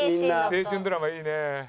青春ドラマいいね。